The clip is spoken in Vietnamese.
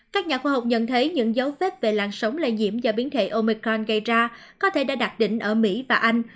các nhà khoa học nhận thấy những dấu vết về làn sống lây diễm do biến thể omicron gây ra có thể đã đạt đỉnh ở mỹ và anh